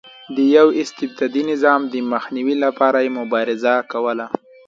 د یوه استبدادي نظام د مخنیوي لپاره یې مبارزه کوله.